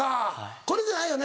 これじゃないよね？